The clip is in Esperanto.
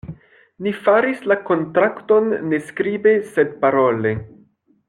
Ni faris la kontrakton ne skribe, sed parole.